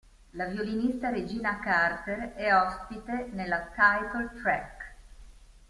La violinista Regina Carter è ospite nella "title-track".